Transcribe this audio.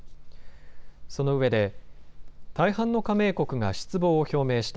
そのうえで大半の加盟国が失望を表明した。